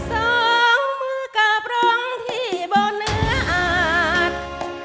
สองมือกับรองที่บนเนื้ออาจ